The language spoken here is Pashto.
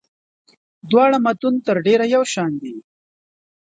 دواړه متون تر ډېره یو شان دي.